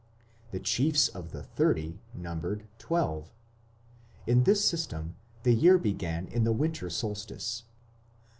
The chiefs of the Thirty numbered twelve. In this system the year began in the winter solstice.